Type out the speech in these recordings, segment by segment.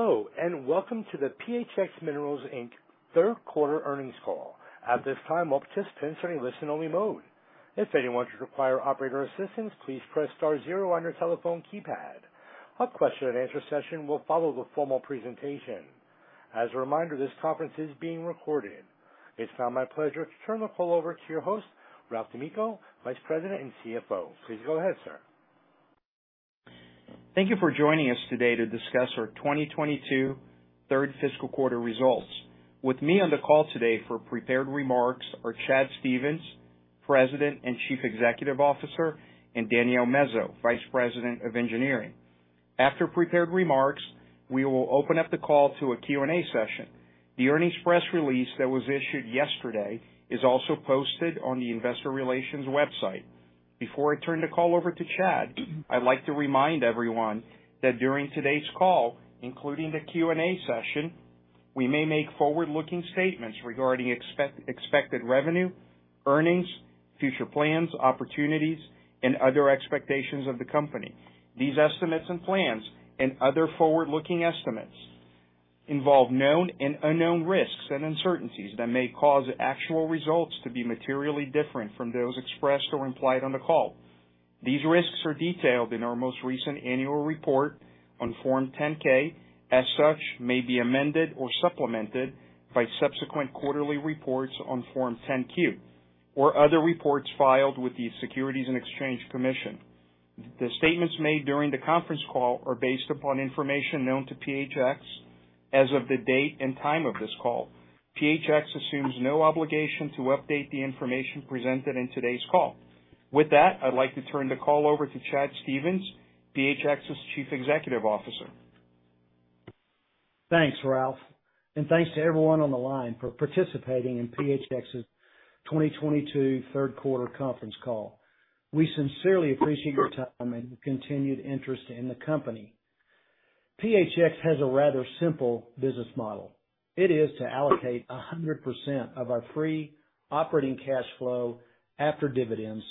Hello, and welcome to the PHX Minerals Inc. third quarter earnings call. At this time, all participants are in listen only mode. If anyone should require operator assistance, please press star zero on your telephone keypad. A question and answer session will follow the formal presentation. As a reminder, this conference is being recorded. It's now my pleasure to turn the call over to your host, Ralph D'Amico, Vice President and CFO. Please go ahead, sir. Thank you for joining us today to discuss our 2022 third fiscal quarter results. With me on the call today for prepared remarks are Chad Stephens, President and Chief Executive Officer, and Danielle Mezo, Vice President of Engineering. After prepared remarks, we will open up the call to a Q&A session. The earnings press release that was issued yesterday is also posted on the investor relations website. Before I turn the call over to Chad, I'd like to remind everyone that during today's call, including the Q&A session, we may make forward-looking statements regarding expected revenue, earnings, future plans, opportunities, and other expectations of the company. These estimates and plans, and other forward-looking estimates involve known and unknown risks and uncertainties that may cause actual results to be materially different from those expressed or implied on the call. These risks are detailed in our most recent annual report on Form 10-K. As such, may be amended or supplemented by subsequent quarterly reports on Form 10-Q, or other reports filed with the Securities and Exchange Commission. The statements made during the conference call are based upon information known to PHX as of the date and time of this call. PHX assumes no obligation to update the information presented in today's call. With that, I'd like to turn the call over to Chad Stephens, PHX's Chief Executive Officer. Thanks, Ralph. Thanks to everyone on the line for participating in PHX's 2022 third quarter conference call. We sincerely appreciate your time and continued interest in the company. PHX has a rather simple business model. It is to allocate 100% of our free operating cash flow after dividends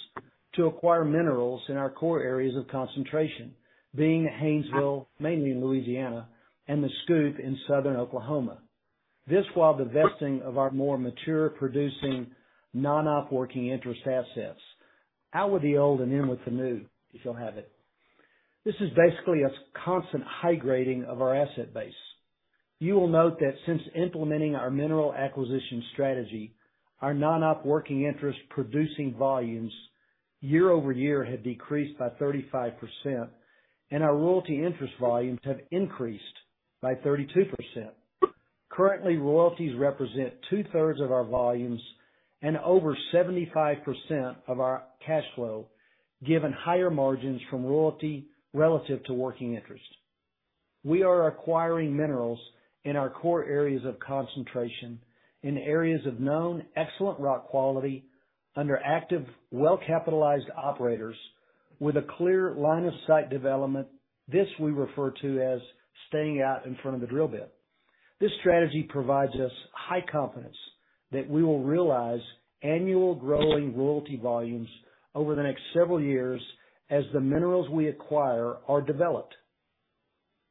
to acquire minerals in our core areas of concentration, being Haynesville, mainly in Louisiana, and the SCOOP in southern Oklahoma. This, while divesting of our more mature producing non-op working interest assets. Out with the old and in with the new, if you'll have it. This is basically a constant high grading of our asset base. You will note that since implementing our mineral acquisition strategy, our non-op working interest producing volumes year-over-year have decreased by 35%, and our royalty interest volumes have increased by 32%. Currently, royalties represent two-thirds of our volumes and over 75% of our cash flow, given higher margins from royalty relative to working interest. We are acquiring minerals in our core areas of concentration, in areas of known excellent rock quality under active, well-capitalized operators with a clear line of sight development. This we refer to as staying out in front of the drill bit. This strategy provides us high confidence that we will realize annual growing royalty volumes over the next several years as the minerals we acquire are developed.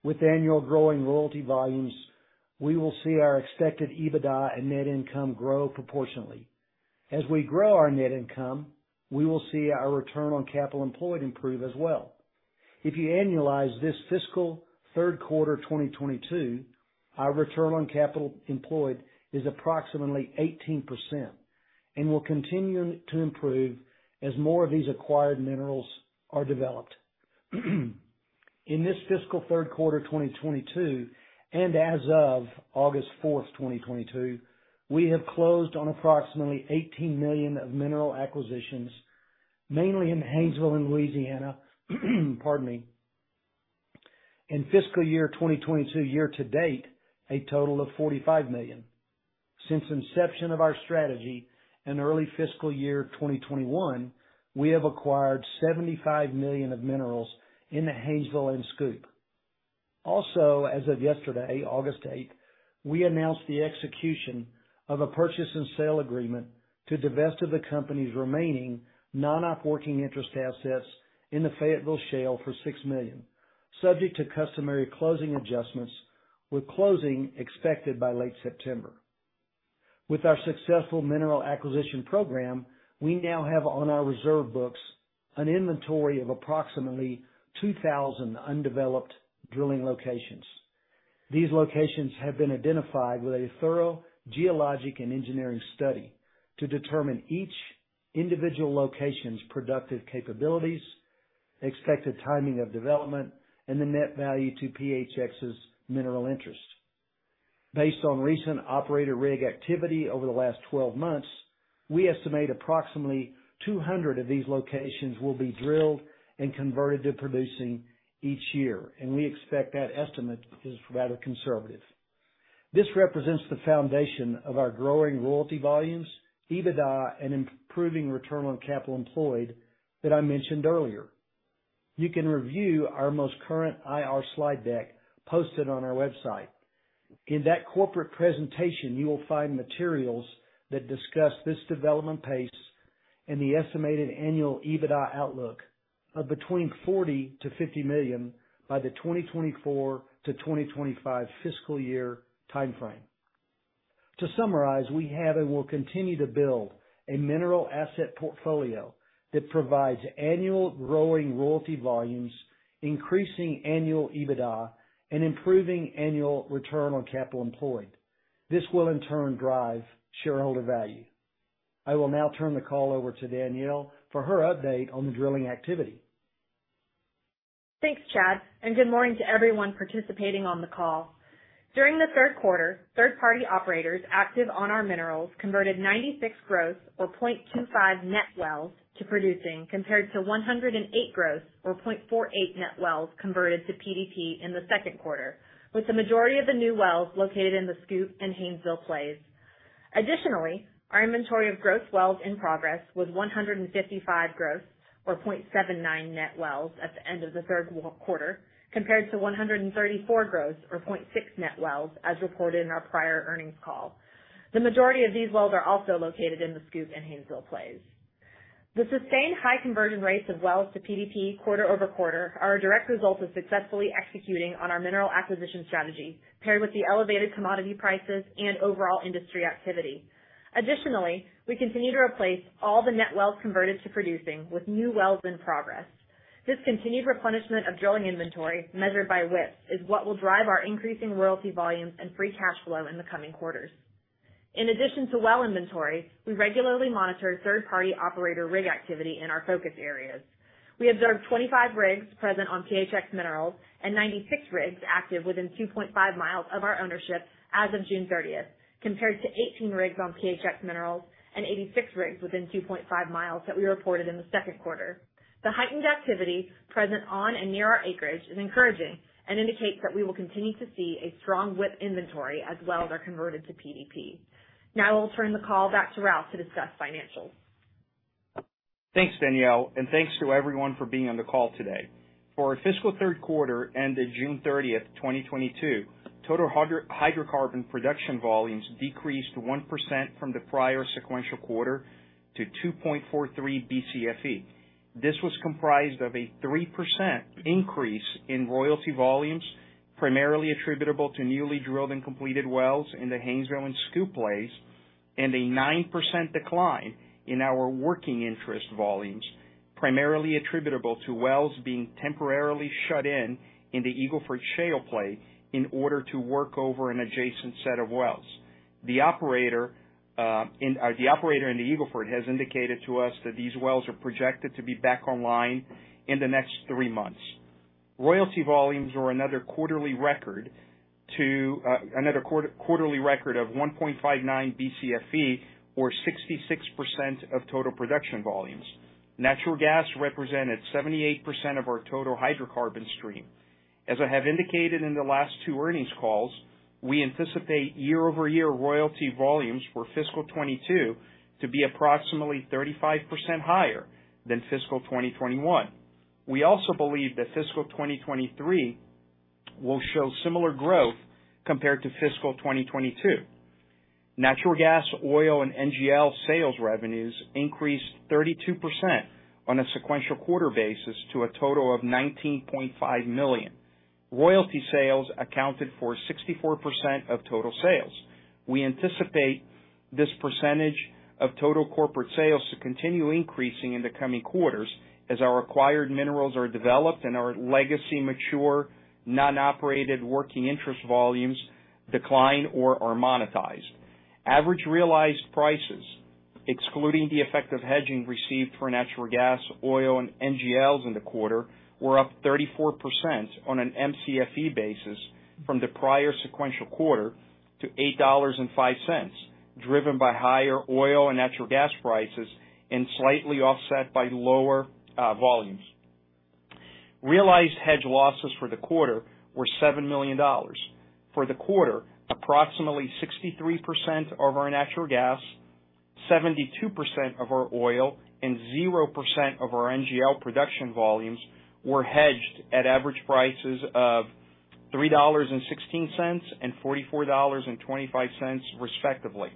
With annual growing royalty volumes, we will see our expected EBITDA and net income grow proportionately. As we grow our net income, we will see our return on capital employed improve as well. If you annualize this fiscal third quarter, 2022, our return on capital employed is approximately 18% and will continue to improve as more of these acquired minerals are developed. In this fiscal third quarter, 2022, and as of August 4th, 2022, we have closed on approximately $18 million of mineral acquisitions, mainly in Haynesville and Louisiana. Pardon me. In fiscal year 2022, year to date, a total of $45 million. Since inception of our strategy in early fiscal year 2021, we have acquired $75 million of minerals in the Haynesville and SCOOP. Also, as of yesterday, August 8, we announced the execution of a purchase and sale agreement to divest of the company's remaining non-operating interest assets in the Fayetteville Shale for $6 million, subject to customary closing adjustments, with closing expected by late September. With our successful mineral acquisition program, we now have on our reserve books an inventory of approximately 2,000 undeveloped drilling locations. These locations have been identified with a thorough geologic and engineering study to determine each individual location's productive capabilities, expected timing of development, and the net value to PHX's mineral interest. Based on recent operator rig activity over the last 12 months, we estimate approximately 200 of these locations will be drilled and converted to producing each year, and we expect that estimate is rather conservative. This represents the foundation of our growing royalty volumes, EBITDA, and improving return on capital employed that I mentioned earlier. You can review our most current IR slide deck posted on our website. In that corporate presentation, you will find materials that discuss this development pace and the estimated annual EBITDA outlook of between $40 million-$50 million by the 2024-2025 fiscal year timeframe. To summarize, we have and will continue to build a mineral asset portfolio that provides annual growing royalty volumes, increasing annual EBITDA, and improving annual return on capital employed. This will, in turn, drive shareholder value. I will now turn the call over to Danielle for her update on the drilling activity. Thanks, Chad, and good morning to everyone participating on the call. During the third quarter, third party operators active on our minerals converted 96 gross, or 0.25 net wells to producing, compared to 108 gross, or 0.48 net wells converted to PDP in the second quarter, with the majority of the new wells located in the SCOOP and Haynesville plays. Additionally, our inventory of gross wells in progress was 155 gross, or 0.79 net wells at the end of the third quarter, compared to 134 gross, or 0.6 net wells as reported in our prior earnings call. The majority of these wells are also located in the SCOOP and Haynesville plays. The sustained high conversion rates of wells to PDP quarter over quarter are a direct result of successfully executing on our mineral acquisition strategy, paired with the elevated commodity prices and overall industry activity. Additionally, we continue to replace all the net wells converted to producing with new wells in progress. This continued replenishment of drilling inventory, measured by WIP, is what will drive our increasing royalty volumes and free cash flow in the coming quarters. In addition to well inventory, we regularly monitor third-party operator rig activity in our focus areas. We observed 25 rigs present on PHX Minerals and 96 rigs active within 2.5 miles of our ownership as of June 30th, compared to 18 rigs on PHX Minerals and 86 rigs within 2.5 miles that we reported in the second quarter. The heightened activity present on and near our acreage is encouraging and indicates that we will continue to see a strong WIP inventory as wells are converted to PDP. Now I will turn the call back to Ralph to discuss financials. Thanks, Danielle, and thanks to everyone for being on the call today. For our fiscal third quarter ended June 30th, 2022, total hydrocarbon production volumes decreased 1% from the prior sequential quarter to 2.43 BCFE. This was comprised of a 3% increase in royalty volumes, primarily attributable to newly drilled and completed wells in the Haynesville and SCOOP plays, and a 9% decline in our working interest volumes, primarily attributable to wells being temporarily shut in in the Eagle Ford Shale play in order to work over an adjacent set of wells. The operator in the Eagle Ford has indicated to us that these wells are projected to be back online in the next three months. Royalty volumes are another quarterly record of 1.59 BCFE, or 66% of total production volumes. Natural gas represented 78% of our total hydrocarbon stream. As I have indicated in the last two earnings calls, we anticipate year-over-year royalty volumes for fiscal 2022 to be approximately 35% higher than fiscal 2021. We also believe that fiscal 2023 will show similar growth compared to fiscal 2022. Natural gas, oil, and NGL sales revenues increased 32% on a sequential quarter basis to a total of $19.5 million. Royalty sales accounted for 64% of total sales. We anticipate this percentage of total corporate sales to continue increasing in the coming quarters as our acquired minerals are developed and our legacy mature, non-operated working interest volumes decline or are monetized. Average realized prices, excluding the effect of hedging received for natural gas, oil, and NGLs in the quarter, were up 34% on an MCFE basis from the prior sequential quarter to $8.05, driven by higher oil and natural gas prices and slightly offset by lower volumes. Realized hedge losses for the quarter were $7 million. For the quarter, approximately 63% of our natural gas, 72% of our oil, and 0% of our NGL production volumes were hedged at average prices of $3.16 and $44.25, respectively.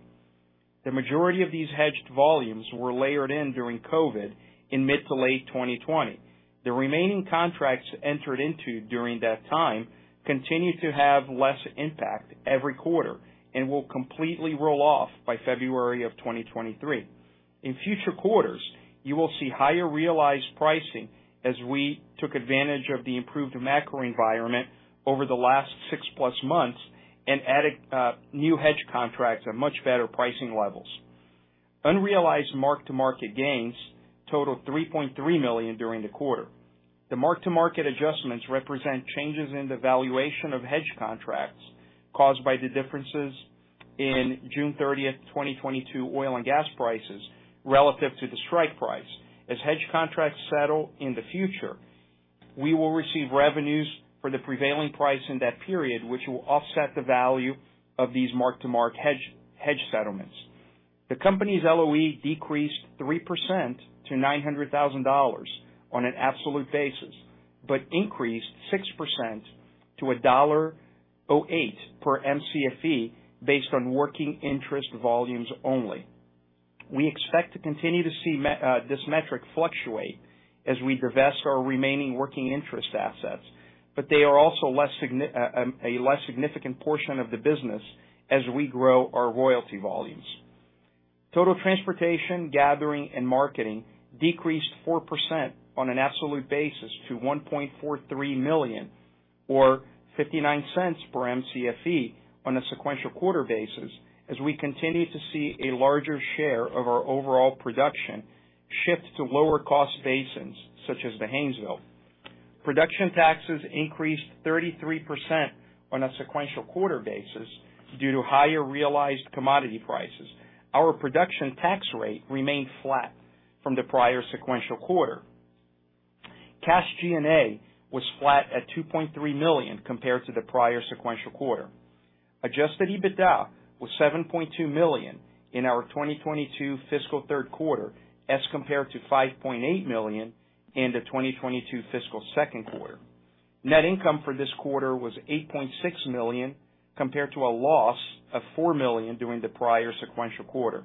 The majority of these hedged volumes were layered in during COVID in mid to late 2020. The remaining contracts entered into during that time continue to have less impact every quarter and will completely roll off by February of 2023. In future quarters, you will see higher realized pricing as we took advantage of the improved macro environment over the last six plus months and added new hedge contracts at much better pricing levels. Unrealized mark-to-market gains totaled $3.3 million during the quarter. The mark-to-market adjustments represent changes in the valuation of hedge contracts caused by the differences in June 30th, 2022 oil and gas prices relative to the strike price. As hedge contracts settle in the future, we will receive revenues for the prevailing price in that period, which will offset the value of these mark-to-market hedge settlements. The company's LOE decreased 3% to $900,000 on an absolute basis, but increased 6% to $1.08 per MCFE based on working interest volumes only. We expect to continue to see this metric fluctuate as we divest our remaining working interest assets, but they are also a less significant portion of the business as we grow our royalty volumes. Total transportation, gathering, and marketing decreased 4% on an absolute basis to $1.43 million or $0.59 per MCFE on a sequential quarter basis as we continue to see a larger share of our overall production shift to lower cost basins such as the Haynesville. Production taxes increased 33% on a sequential quarter basis due to higher realized commodity prices. Our production tax rate remained flat from the prior sequential quarter. Cash G&A was flat at $2.3 million compared to the prior sequential quarter. Adjusted EBITDA was $7.2 million in our 2022 fiscal third quarter, as compared to $5.8 million in the 2022 fiscal second quarter. Net income for this quarter was $8.6 million, compared to a loss of $4 million during the prior sequential quarter.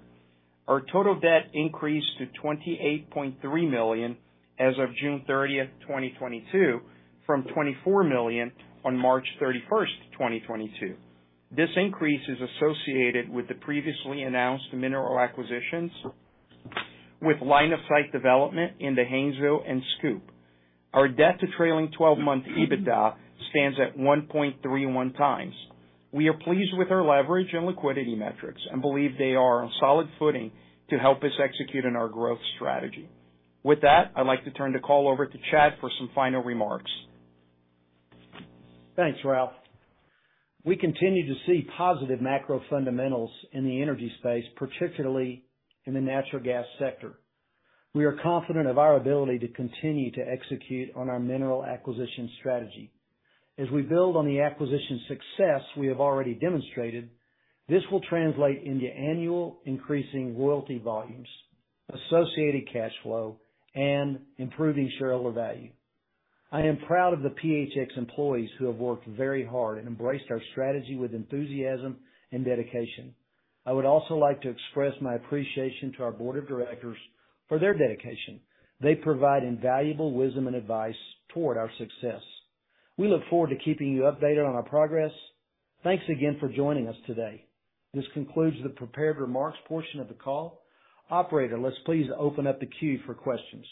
Our total debt increased to $28.3 million as of June 30th, 2022, from $24 million on March 31st, 2022. This increase is associated with the previously announced mineral acquisitions with line of sight development in the Haynesville and SCOOP. Our debt to trailing twelve-month EBITDA stands at 1.31x. We are pleased with our leverage and liquidity metrics and believe they are on solid footing to help us execute on our growth strategy. With that, I'd like to turn the call over to Chad for some final remarks. Thanks, Ralph. We continue to see positive macro fundamentals in the energy space, particularly in the natural gas sector. We are confident of our ability to continue to execute on our mineral acquisition strategy. As we build on the acquisition success we have already demonstrated, this will translate into annual increasing royalty volumes, associated cash flow, and improving shareholder value. I am proud of the PHX employees who have worked very hard and embraced our strategy with enthusiasm and dedication. I would also like to express my appreciation to our board of directors for their dedication. They provide invaluable wisdom and advice toward our success. We look forward to keeping you updated on our progress. Thanks again for joining us today. This concludes the prepared remarks portion of the call. Operator, let's please open up the queue for questions.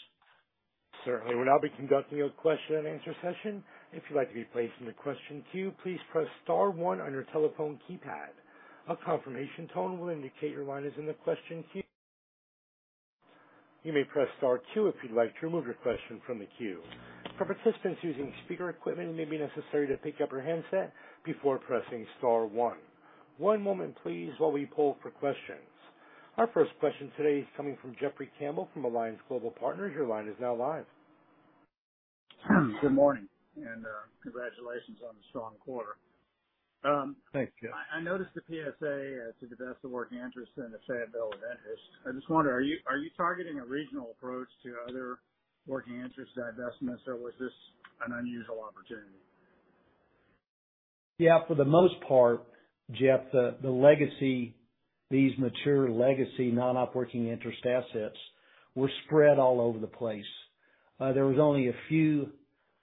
Certainly. We will now be conducting a question and answer session. If you'd like to be placed in the question queue, please press star one on your telephone keypad. A confirmation tone will indicate your line is in the question queue. You may press star two if you'd like to remove your question from the queue. For participants using speaker equipment, it may be necessary to pick up your handset before pressing star one. One moment please while we poll for questions. Our first question today is coming from Jeffrey Campbell from Alliance Global Partners. Your line is now live. Good morning and congratulations on the strong quarter. Thank you. I noticed the PSA to divest working interest in the Fayetteville Shale. I just wonder, are you targeting a regional approach to other working interest divestments, or was this an unusual opportunity? Yeah, for the most part, Jeff, the legacy these mature legacy non-op working interest assets were spread all over the place. There was only a few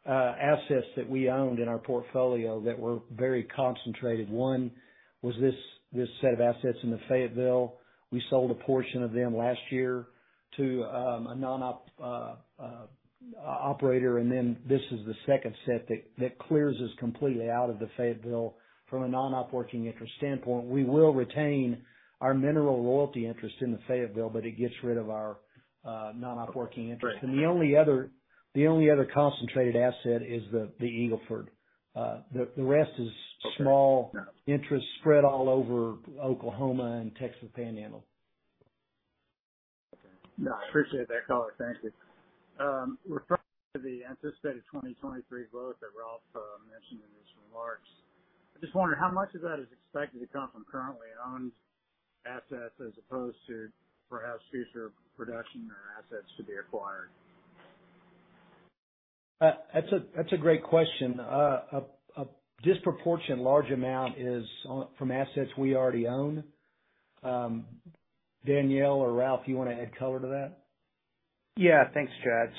assets that we owned in our portfolio that were very concentrated. One was this set of assets in the Fayetteville. We sold a portion of them last year to a non-op operator, and then this is the second set that clears us completely out of the Fayetteville from a non-op working interest standpoint. We will retain our mineral royalty interest in the Fayetteville, but it gets rid of our non-op working interest. The only other concentrated asset is the Eagle Ford. The rest is Okay. Got it. Small interests spread all over Oklahoma and Texas Panhandle. No, I appreciate that color. Thank you. Referring to the anticipated 2023 growth that Ralph mentioned in his remarks, I just wondered how much of that is expected to come from currently owned assets as opposed to perhaps future production or assets to be acquired? That's a great question. A disproportionately large amount is from assets we already own. Danielle or Ralph, you wanna add color to that? Yeah. Thanks, Chad.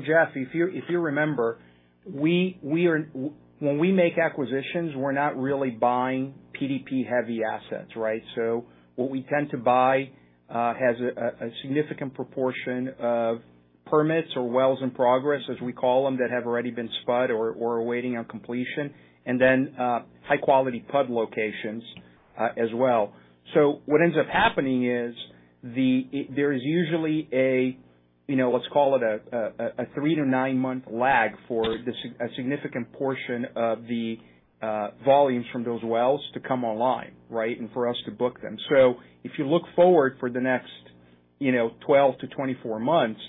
Jeffrey, if you remember, when we make acquisitions, we're not really buying PDP heavy assets, right? What we tend to buy has a significant proportion of permits or wells in progress, as we call them, that have already been spud or are waiting on completion, and then high quality PUD locations as well. What ends up happening is there is usually a, you know, let's call it a three to nine month lag for a significant portion of the volumes from those wells to come online, right? For us to book them. If you look forward for the next, you know, 12-24 months,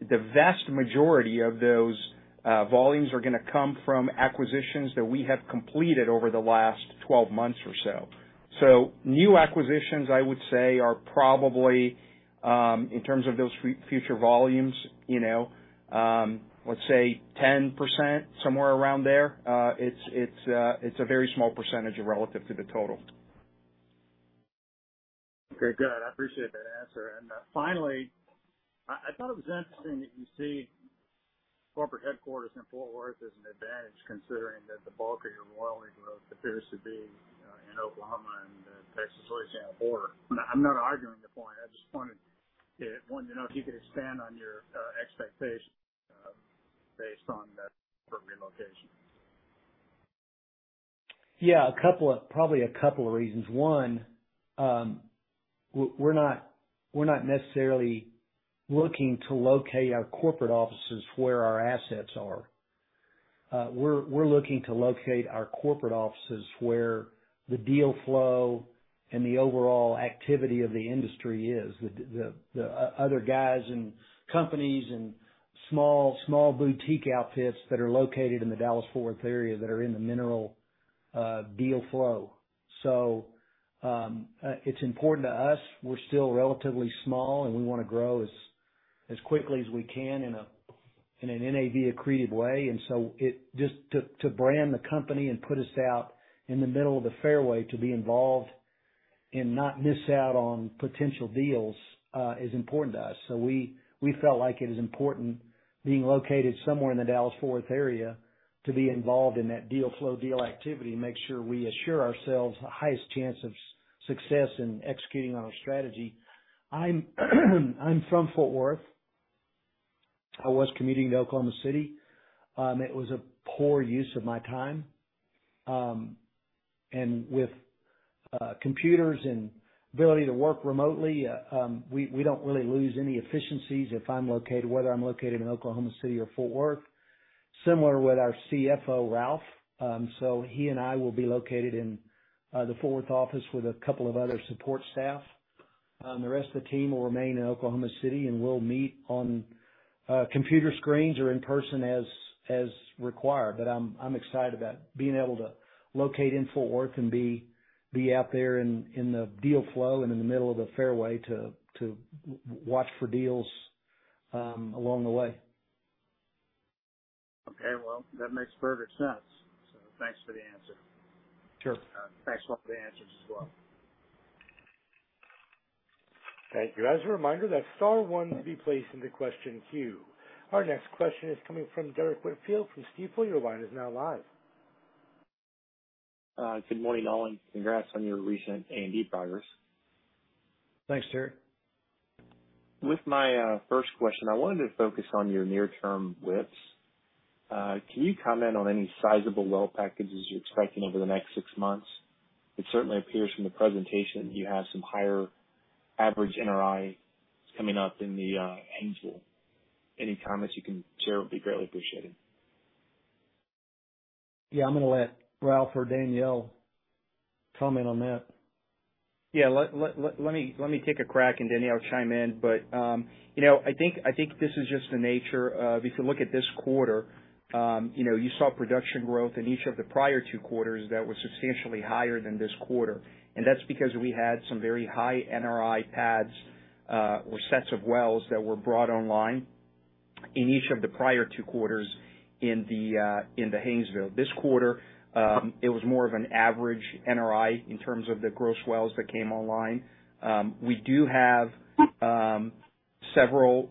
the vast majority of those volumes are gonna come from acquisitions that we have completed over the last 12 months or so. New acquisitions, I would say, are probably in terms of those future volumes, you know, let's say 10%, somewhere around there. It's a very small percentage relative to the total. Okay, good. I appreciate that answer. Finally, I thought it was interesting that you see corporate headquarters in Fort Worth as an advantage, considering that the bulk of your royalty growth appears to be in Oklahoma and Texas, Louisiana border. I'm not arguing the point. I just wanted to know if you could expand on your expectations based on that corporate relocation. Yeah, a couple of probably a couple of reasons. One, we're not necessarily looking to locate our corporate offices where our assets are. We're looking to locate our corporate offices where the deal flow and the overall activity of the industry is. The other guys and companies and small boutique outfits that are located in the Dallas-Fort Worth area that are in the mineral deal flow. It's important to us. We're still relatively small, and we wanna grow as quickly as we can in an NAV accretive way. It just to brand the company and put us out in the middle of the fairway to be involved and not miss out on potential deals is important to us. We felt like it is important being located somewhere in the Dallas-Fort Worth area to be involved in that deal flow, deal activity, and make sure we assure ourselves the highest chance of success in executing on our strategy. I'm from Fort Worth. I was commuting to Oklahoma City. It was a poor use of my time. With computers and ability to work remotely, we don't really lose any efficiencies if I'm located, whether I'm located in Oklahoma City or Fort Worth. Similar with our CFO, Ralph D'Amico. He and I will be located in the Fort Worth office with a couple of other support staff. The rest of the team will remain in Oklahoma City, and we'll meet on computer screens or in person as required. I'm excited about being able to locate in Fort Worth and be out there in the deal flow and in the middle of the fairway to watch for deals along the way. Okay. Well, that makes perfect sense. Thanks for the answer. Sure. Thanks, Ralph, for the answers as well. Thank you. As a reminder, that's star one to be placed into question queue. Our next question is coming from Derrick Whitfield from Stifel. Your line is now live. Good morning, all, and congrats on your recent A&D progress. Thanks, Derrick. With my first question, I wanted to focus on your near-term wells. Can you comment on any sizable well packages you're expecting over the next six months? It certainly appears from the presentation you have some higher average NRIs coming up in the Haynesville. Any comments you can share would be greatly appreciated. Yeah, I'm gonna let Ralph or Danielle comment on that. Yeah. Let me take a crack, and Danielle chime in. I think this is just the nature of if you look at this quarter, you know, you saw production growth in each of the prior two quarters that were substantially higher than this quarter. That's because we had some very high NRI pads or sets of wells that were brought online in each of the prior two quarters in the Haynesville. This quarter, it was more of an average NRI in terms of the gross wells that came online. We do have several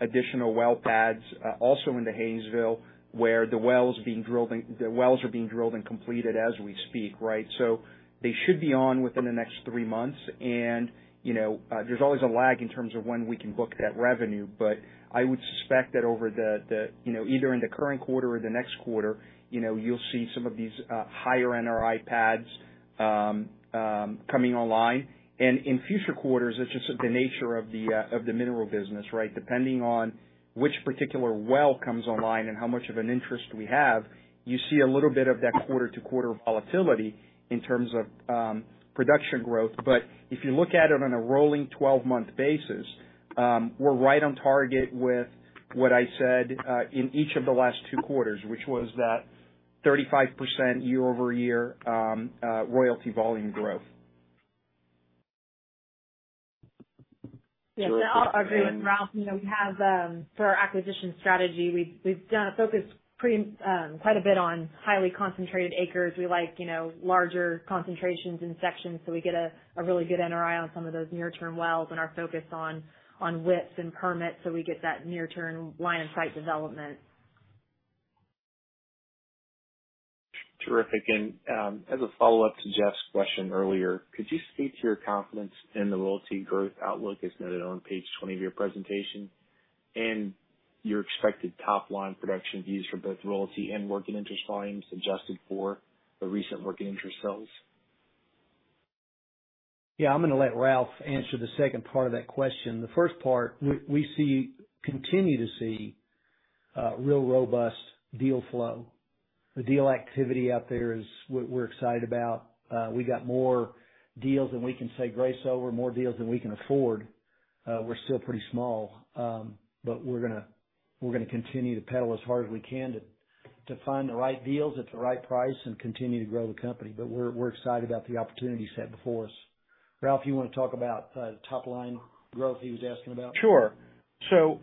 additional well pads also in the Haynesville, where the wells are being drilled and completed as we speak, right? They should be on within the next three months, and you know, there's always a lag in terms of when we can book that revenue. I would suspect that over the you know, either in the current quarter or the next quarter, you know, you'll see some of these higher NRI pads coming online. In future quarters, it's just the nature of the mineral business, right? Depending on which particular well comes online and how much of an interest we have, you see a little bit of that quarter-to-quarter volatility in terms of production growth. If you look at it on a rolling 12-month basis, we're right on target with what I said in each of the last two quarters, which was that 35% year-over-year royalty volume growth. Yeah. I'll agree with Ralph. You know, we have for our acquisition strategy, we've done a focus pretty quite a bit on highly concentrated acres. We like, you know, larger concentrations in sections, so we get a really good NRI on some of those near-term wells and are focused on widths and permits, so we get that near-term line of sight development. Terrific. As a follow-up to Jeff's question earlier, could you speak to your confidence in the royalty growth outlook as noted on page 20 of your presentation and your expected top-line production views for both royalty and working interest volumes adjusted for the recent working interest sales? Yeah. I'm gonna let Ralph answer the second part of that question. The first part, we continue to see real robust deal flow. The deal activity out there is what we're excited about. We got more deals than we can say grace over, more deals than we can afford. We're still pretty small, but we're gonna continue to pedal as hard as we can to find the right deals at the right price and continue to grow the company. We're excited about the opportunity set before us. Ralph, you wanna talk about the top line growth he was asking about? Sure.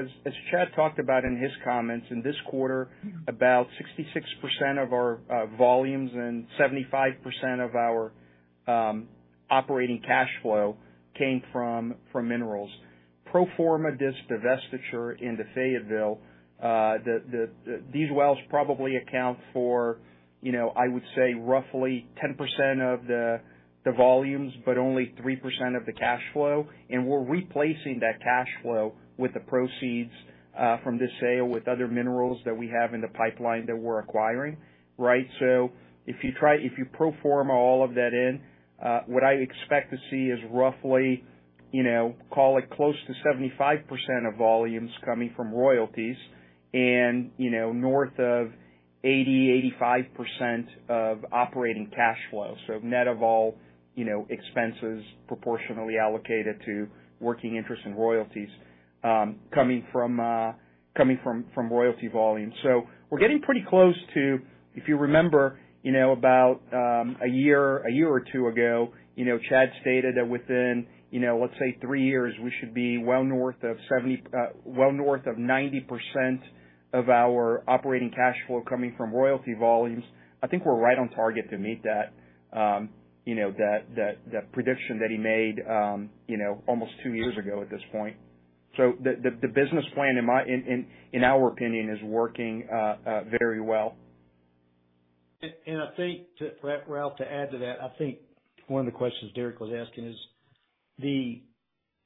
As Chad talked about in his comments, in this quarter, about 66% of our volumes and 75% of our operating cash flow came from minerals. Pro forma this divestiture into Fayetteville, these wells probably account for, you know, I would say roughly 10% of the volumes, but only 3% of the cash flow. We're replacing that cash flow with the proceeds from this sale with other minerals that we have in the pipeline that we're acquiring, right? If you pro forma all of that in, what I expect to see is roughly, you know, call it close to 75% of volumes coming from royalties and, you know, north of 85% of operating cash flows. Net of all, you know, expenses proportionally allocated to working interest and royalties, coming from royalty volumes. We're getting pretty close to, if you remember, you know, about a year or two years ago, you know, Chad stated that within, you know, let's say three years, we should be well north of 70, well north of 90% of our operating cash flow coming from royalty volumes. I think we're right on target to meet that, you know, that prediction that he made, you know, almost two years ago at this point. The business plan in our opinion is working very well. I think, Ralph, to add to that, I think one of the questions Derrick was asking is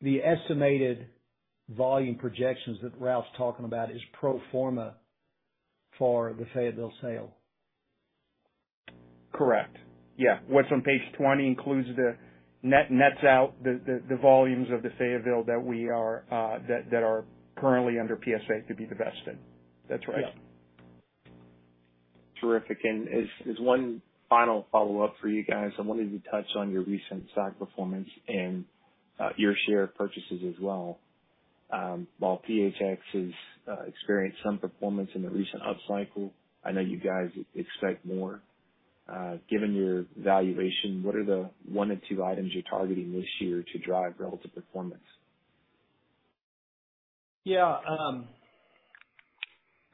the estimated volume projections that Ralph's talking about is pro forma for the Fayetteville sale. Correct. Yeah. What's on page 20 includes the net, nets out the volumes of the Fayetteville that are currently under PSA to be divested. That's right. Yeah. Terrific. As one final follow-up for you guys, I'm wondering if you touch on your recent stock performance and your share purchases as well. While PHX has experienced some performance in the recent upcycle, I know you guys expect more. Given your valuation, what are the one or two items you're targeting this year to drive relative performance? Yeah.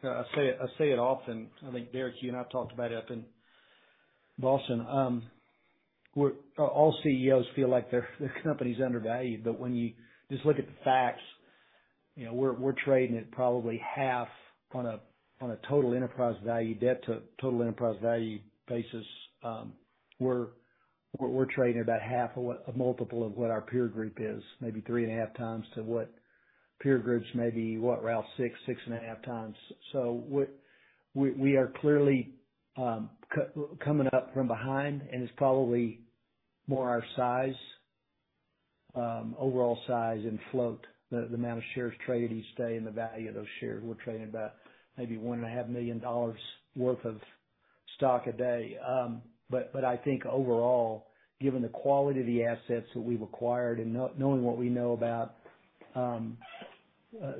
I say it often. I think, Derrick, you and I talked about it up in Boston. All CEOs feel like their company's undervalued, but when you just look at the facts, you know, we're trading at probably half on a total enterprise value, debt to total enterprise value basis. We're trading about half of what a multiple of what our peer group is, maybe 3.5x to what peer groups maybe, what, Ralph? 6.5x. What we are clearly coming up from behind, and it's probably more our size, overall size and float, the amount of shares traded each day and the value of those shares. We're trading about maybe $1.5 million worth of stock a day. I think overall, given the quality of the assets that we've acquired and knowing what we know about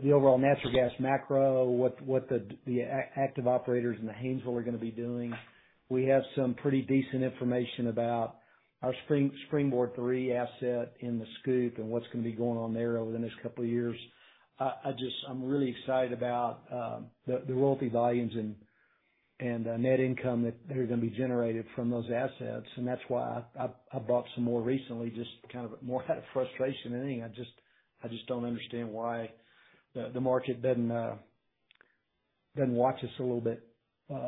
the overall natural gas macro, what the active operators in the Haynesville are gonna be doing, we have some pretty decent information about our SpringBoard III asset in the SCOOP and what's gonna be going on there over the next couple of years. I just I'm really excited about the royalty volumes and net income that are gonna be generated from those assets, and that's why I bought some more recently, just kind of more out of frustration than anything. I just don't understand why the market doesn't watch us a little bit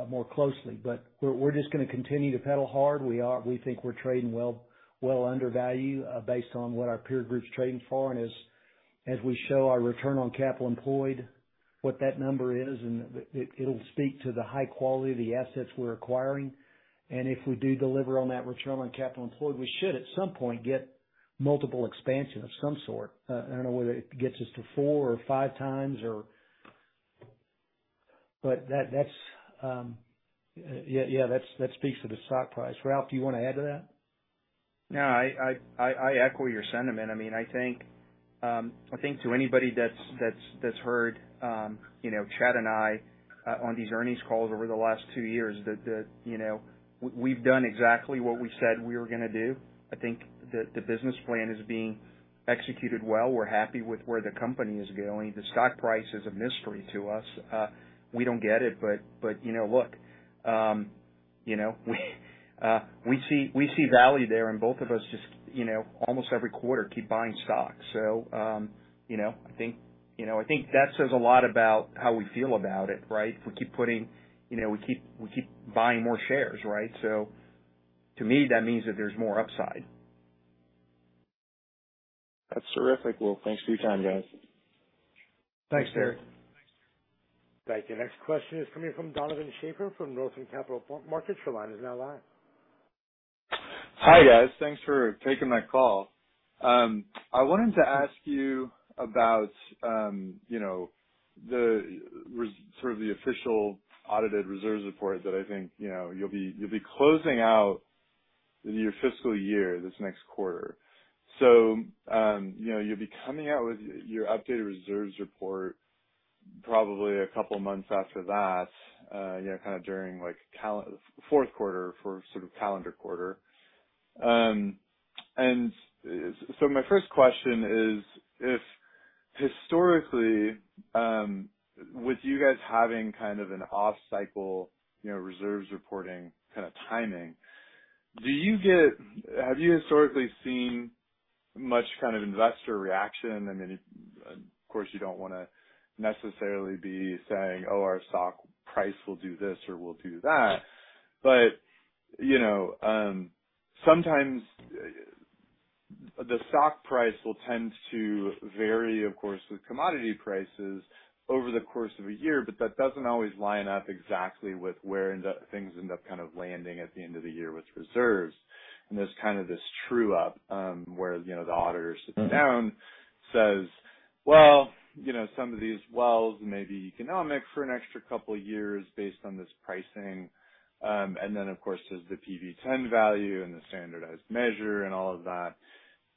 more closely. We're just gonna continue to pedal hard. We think we're trading well undervalued based on what our peer group's trading for. As we show our return on capital employed, what that number is, and it'll speak to the high quality of the assets we're acquiring. If we do deliver on that return on capital employed, we should at some point get multiple expansion of some sort. I don't know whether it gets us to 4x or 5x. That speaks to the stock price. Ralph, do you wanna add to that? No, I echo your sentiment. I mean, I think to anybody that's heard you know, Chad and I on these earnings calls over the last two years that you know, we've done exactly what we said we were gonna do. I think that the business plan is being executed well. We're happy with where the company is going. The stock price is a mystery to us. We don't get it, but you know, look, you know, we see value there, and both of us just you know, almost every quarter keep buying stocks. You know, I think you know, I think that says a lot about how we feel about it, right? You know, we keep buying more shares, right? So to me, that means that there's more upside. That's terrific. Well, thanks for your time, guys. Thanks, Derrick. Thank you. Next question is coming from Donovan Schafer from Northland Capital Markets. Your line is now live. Hi, guys. Thanks for taking my call. I wanted to ask you about, you know, the sort of official audited reserves report that I think, you know, you'll be closing out your fiscal year this next quarter. You know, you'll be coming out with your updated reserves report probably a couple of months after that, you know, kinda during, like, fourth quarter for sort of calendar quarter. My first question is if historically, with you guys having kind of an off-cycle, you know, reserves reporting kinda timing, Have you historically seen much kind of investor reaction? I mean, of course, you don't wanna necessarily be saying, "Oh, our stock price will do this or will do that." You know, sometimes the stock price will tend to vary, of course, with commodity prices over the course of a year, but that doesn't always line up exactly with where end up, things end up kind of landing at the end of the year with reserves. There's kind of this true up, where, you know, the auditor sits down, says, "Well, you know, some of these wells may be economic for an extra couple of years based on this pricing." Of course, there's the PV10 value and the standardized measure and all of that.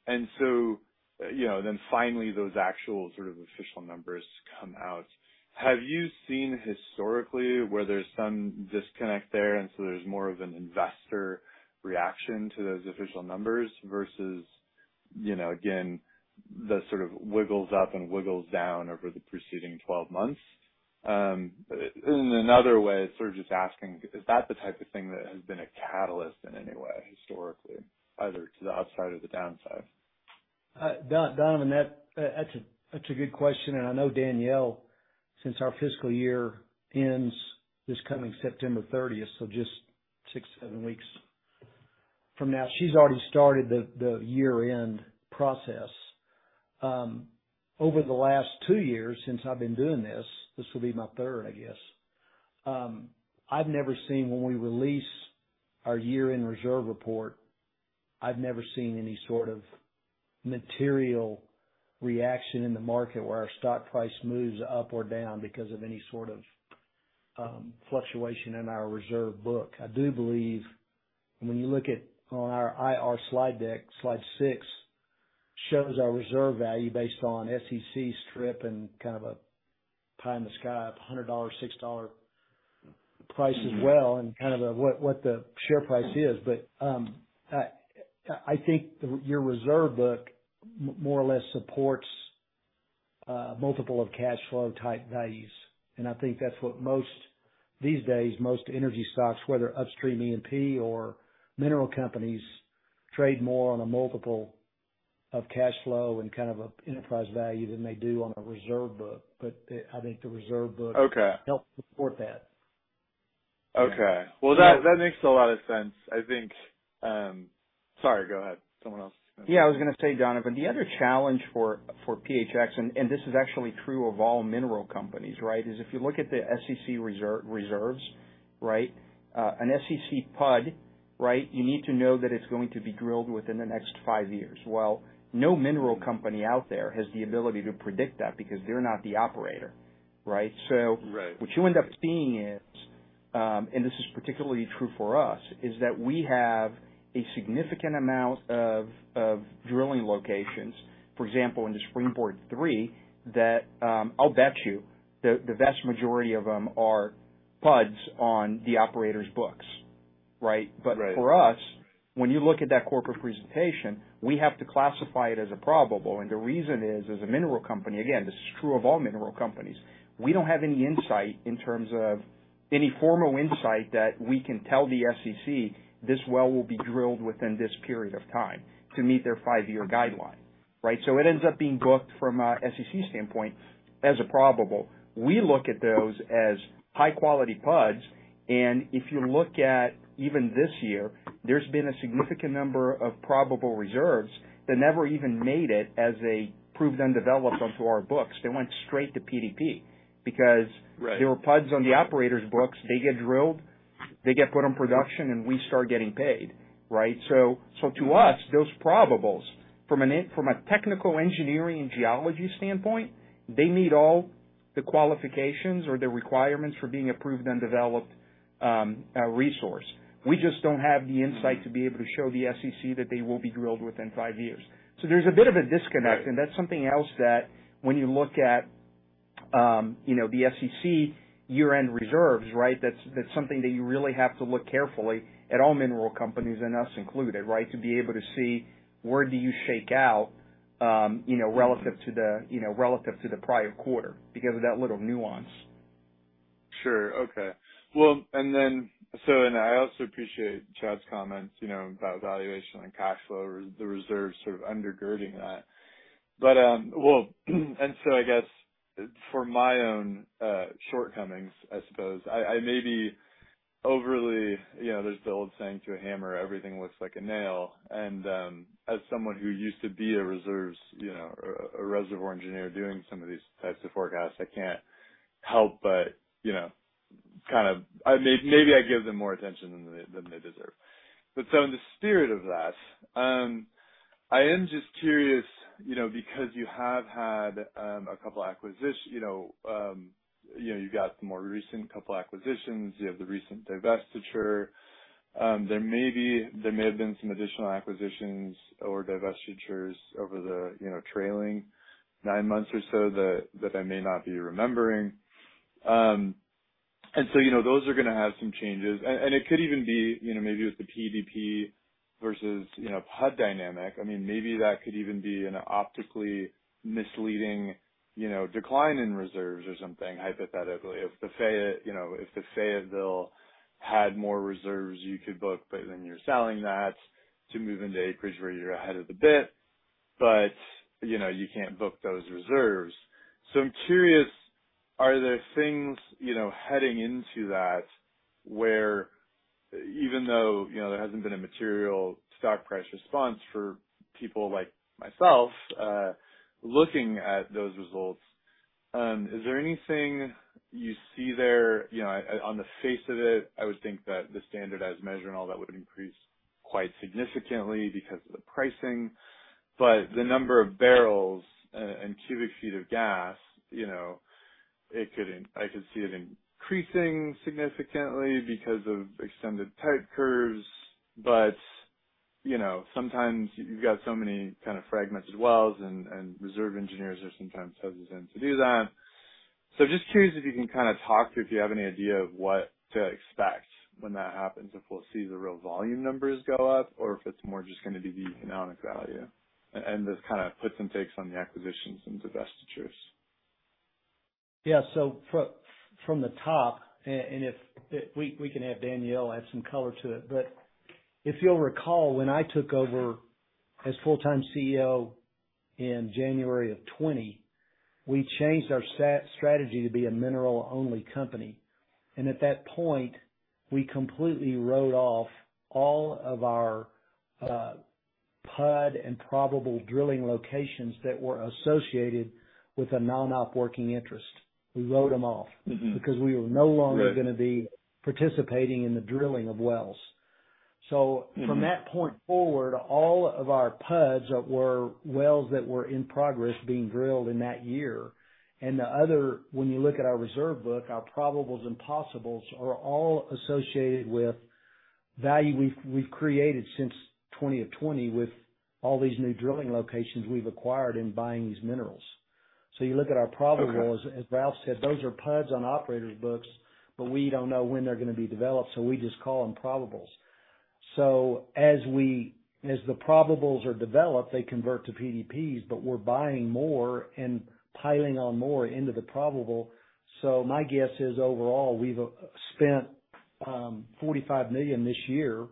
You know, then finally those actual sort of official numbers come out. Have you seen historically where there's some disconnect there, and so there's more of an investor reaction to those official numbers versus, you know, again, the sort of wiggles up and wiggles down over the preceding 12 months? In another way, sort of just asking, is that the type of thing that has been a catalyst in any way historically, either to the upside or the downside? Donovan, that's a good question. I know Danielle, since our fiscal year ends this coming September thirtieth, so just six, seven weeks from now, she's already started the year-end process. Over the last two years since I've been doing this will be my third, I guess. I've never seen when we release our year-end reserve report, I've never seen any sort of material reaction in the market where our stock price moves up or down because of any sort of fluctuation in our reserve book. I do believe when you look at our IR slide deck, slide six shows our reserve value based on SEC strip and kind of a pie in the sky $100, $6 price as well, and kind of what the share price is. I think the your reserve book more or less supports multiple of cash flow type values. I think that's what most these days, most energy stocks, whether upstream E&P or mineral companies, trade more on a multiple of cash flow and kind of enterprise value than they do on a reserve book. I think the reserve book. Okay. Helps support that. Okay. Well, that makes a lot of sense. I think. Sorry, go ahead. Yeah, I was gonna say, Donovan, the other challenge for PHX, and this is actually true of all mineral companies, right? Is if you look at the SEC reserves, right? An SEC PUD, right? You need to know that it's going to be drilled within the next five years. Well, no mineral company out there has the ability to predict that because they're not the operator, right? Right. What you end up seeing is, and this is particularly true for us, is that we have a significant amount of drilling locations. For example, in the SpringBoard III, I'll bet you the vast majority of them are PUDs on the operator's books, right? Right. For us, when you look at that corporate presentation, we have to classify it as a probable. The reason is, as a mineral company, again, this is true of all mineral companies, we don't have any insight in terms of any formal insight that we can tell the SEC this well will be drilled within this period of time to meet their five-year guideline, right? It ends up being booked from an SEC standpoint as a probable. We look at those as high-quality PUDs, and if you look at even this year, there's been a significant number of probable reserves that never even made it as a proved undeveloped onto our books. They went straight to PDP because- Right. They were PUDs on the operator's books. They get drilled, they get put on production, and we start getting paid, right? To us, those probables from a technical engineering and geology standpoint, they meet all the qualifications or the requirements for being a proved undeveloped resource. We just don't have the insight to be able to show the SEC that they will be drilled within five years. There's a bit of a disconnect and that's something else that when you look at, you know, the SEC year-end reserves, right? That's something that you really have to look carefully at all mineral companies and us included, right? To be able to see where do you shake out, you know, relative to the, you know, relative to the prior quarter because of that little nuance. Sure. Okay. Well, I also appreciate Chad's comments, you know, about valuation and cash flow, regarding the reserves sort of undergirding that. I guess for my own shortcomings, I suppose, I may be overly. You know, there's the old saying, to a hammer, everything looks like a nail. As someone who used to be a reservoir engineer doing some of these types of forecasts, I can't help but, you know, I may, maybe I give them more attention than they deserve. I am just curious, you know, because you have had a couple acquisitions. You know, you know, you've got the more recent couple acquisitions. You have the recent divestiture. There may have been some additional acquisitions or divestitures over the, you know, trailing nine months or so that I may not be remembering. You know, those are gonna have some changes. It could even be, you know, maybe with the PDP versus, you know, PUD dynamic, I mean, maybe that could even be an optically misleading, you know, decline in reserves or something, hypothetically. If the Fayetteville had more reserves you could book, but then you're selling that to move into acreage where you're ahead of the bit, but, you know, you can't book those reserves. I'm curious, are there things, you know, heading into that where even though, you know, there hasn't been a material stock price response for people like myself, looking at those results, is there anything you see there? You know, on the face of it, I would think that the standardized measure and all that would increase quite significantly because of the pricing. But the number of barrels and cubic feet of gas, you know, it could I could see it increasing significantly because of extended type curves. But, you know, sometimes you've got so many kind of fragmented wells and reserve engineers are sometimes hesitant to do that. Just curious if you can kinda talk through if you have any idea of what to expect when that happens, if we'll see the real volume numbers go up or if it's more just gonna be the economic value and the kind of puts and takes on the acquisitions and divestitures? Yeah. From the top and if we can have Danielle add some color to it. If you'll recall, when I took over as full-time CEO in January of 2020, we changed our strategy to be a mineral-only company. At that point, we completely wrote off all of our PUD and probable drilling locations that were associated with a non-op working interest. We wrote them off. Mm-hmm. Because we were no longer- Right. Gonna be participating in the drilling of wells. Mm-hmm. From that point forward, all of our PUDs were wells that were in progress being drilled in that year. The other, when you look at our reserve book, our probables and possibles are all associated with value we've created since 2020 with all these new drilling locations we've acquired in buying these minerals. You look at our probables, as Ralph said, those are PUDs on operators' books, but we don't know when they're gonna be developed, so we just call them probables. As the probables are developed, they convert to PDPs, but we're buying more and piling on more into the probable. My guess is, overall, we've spent $45 million this year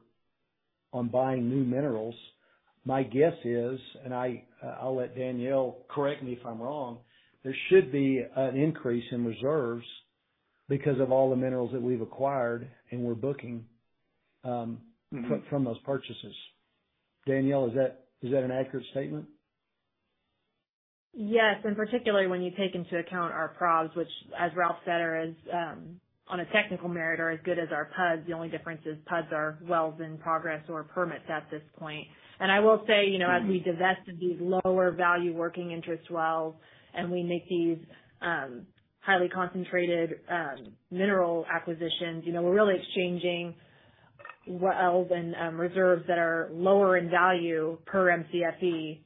on buying new minerals. My guess is, and I'll let Danielle correct me if I'm wrong, there should be an increase in reserves because of all the minerals that we've acquired and we're booking from those purchases. Danielle, is that an accurate statement? Yes, particularly when you take into account our probables, which, as Ralph said, are, on a technical merit, as good as our PUDs. The only difference is PUDs are wells in progress or permits at this point. I will say, you know, as we divest these lower value working interest wells and we make these highly concentrated mineral acquisitions, you know, we're really exchanging wells and reserves that are lower in value per MCFE.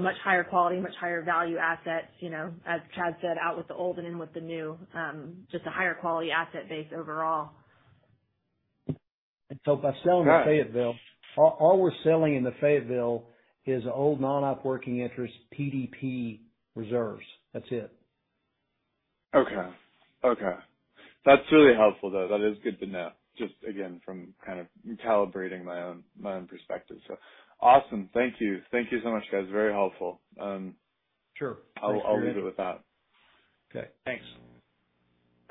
Much higher quality, much higher value assets. You know, as Chad said, out with the old and in with the new. Just a higher quality asset base overall. By selling the Fayetteville, all we're selling in the Fayetteville is old non-op working interest PDP reserves. That's it. Okay. That's really helpful, though. That is good to know. Just again, from kind of calibrating my own perspective. Awesome. Thank you. Thank you so much, guys. Very helpful. Sure. I'll leave it with that. Okay. Thanks.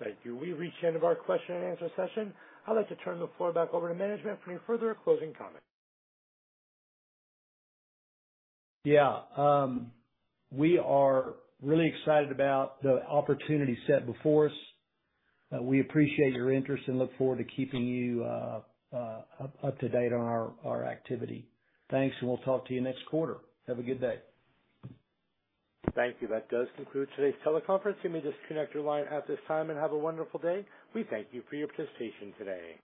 Thank you. We've reached the end of our question and answer session. I'd like to turn the floor back over to management for any further closing comments. Yeah. We are really excited about the opportunity set before us. We appreciate your interest and look forward to keeping you up to date on our activity. Thanks, and we'll talk to you next quarter. Have a good day. Thank you. That does conclude today's teleconference. You may disconnect your line at this time, and have a wonderful day. We thank you for your participation today.